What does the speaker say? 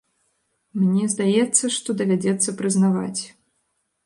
Мне здаецца, што давядзецца прызнаваць.